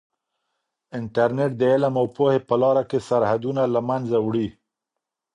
انټرنیټ د علم او پوهې په لاره کې سرحدونه له منځه وړي.